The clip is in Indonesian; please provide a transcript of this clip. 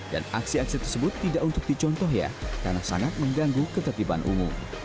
dan aksi aksi tersebut tidak untuk dicontoh ya karena sangat mengganggu ketertiban umum